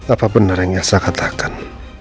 apa benar yang saya katakan